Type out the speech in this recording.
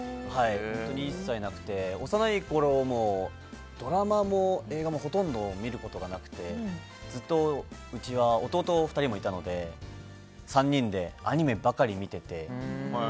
本当に一切なくて幼いころもドラマも映画もほとんど見ることがなくてずっと、うちは弟２人もいたので３人でアニメばかり見ていて。